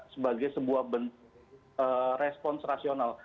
sebagai sebuah respons rasional